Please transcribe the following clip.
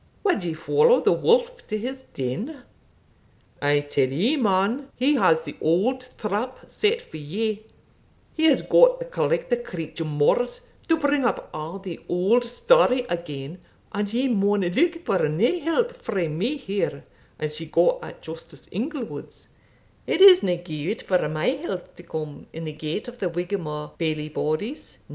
Wad ye follow the wolf to his den? I tell ye, man, he has the auld trap set for ye He has got the collector creature Morris to bring up a' the auld story again, and ye maun look for nae help frae me here, as ye got at Justice Inglewood's; it isna good for my health to come in the gate o' the whigamore bailie bodies.